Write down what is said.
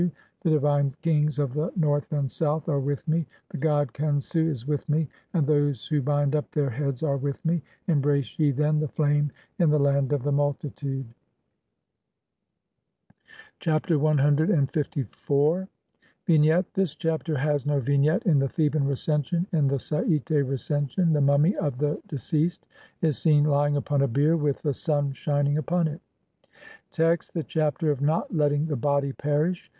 The divine kings of the North and South are with me, "the god Khensu is with me, and those who bind up their heads "are with me ; embrace ye, then, (20) the flame in the land of "the multitude." Chapter CLIV. [From the Papyrus of Nu (Brit. Mus. No. 10,477, sheet 18).] Vignette : This Chapter has no Vignette in the Theban Recension ; in the Sa'ite Recension (see Lepsius, op. cit., Bl. 75) the mummy of the de ceased is seen lying upon a bier with the sun shining upon it. Text : (1) THE CHAPTER OF NOT LETTING THE BODY PERISH.